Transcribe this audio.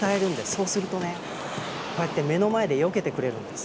そうするとねこうやって目の前でよけてくれるんです。